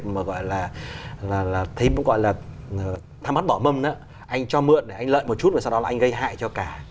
một chút rồi sau đó anh gây hại cho cả